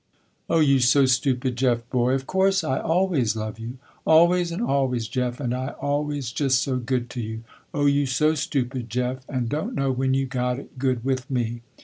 "Oh you so stupid Jeff boy, of course I always love you. Always and always Jeff and I always just so good to you. Oh you so stupid Jeff and don't know when you got it good with me.